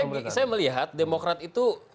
oke saya melihat demokrat itu